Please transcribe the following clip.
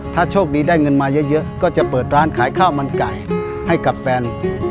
ถ้าโชคดีได้เงินมาเยอะก็จะเปิดร้านขายข้าวมันไก่ให้กับแฟน